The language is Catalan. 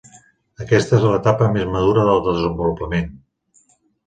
Aquesta és l'etapa més madura del desenvolupament.